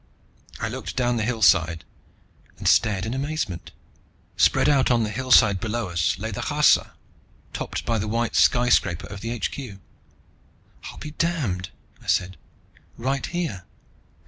I looked down the hillside, and stared in amazement. Spread out on the hillside below us lay the Kharsa, topped by the white skyscraper of the HQ. "I'll be damned," I said, "right here.